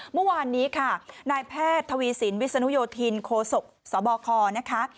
เมื่อวานนี้ค่ะนายแพทย์ทวีสินวิศนุโยธินโคศกสบคนะคะ